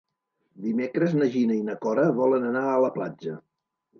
Dimecres na Gina i na Cora volen anar a la platja.